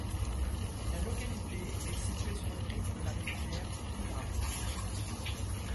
La localité est située sur les rives de la rivière Bliha.